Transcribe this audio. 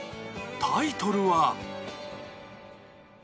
タイトルは。